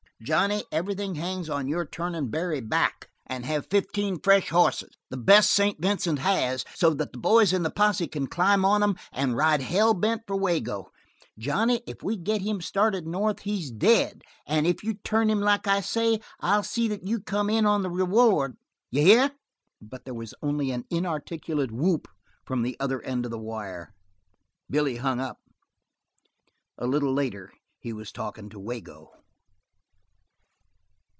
Johnny, everything hangs on your turnin' Barry back. And have fifteen fresh hosses, the best St. Vincent has, so that the boys in the posse can climb on 'em and ride hell bent for Wago. Johnny, if we get him started north he's dead and if you turn him like I say I'll see that you come in on the reward. D'ye hear?" But there was only an inarticulate whoop from the other end of the wire. Billy hung up. A little later he was talking to Wago.